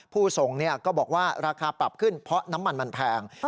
ผู้ส่งก็บอกว่าราคาปรับขึ้นเพราะน้ำมันมันแพง